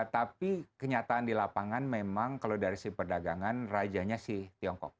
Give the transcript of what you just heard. tapi kenyataan di lapangan memang kalau dari si perdagangan rajanya si tiongkok